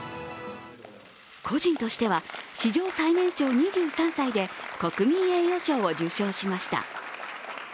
個人としては、史上最年少２３歳で国民栄誉賞を受賞しました。